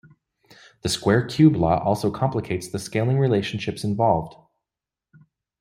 The square-cube law also complicates the scaling relationships involved.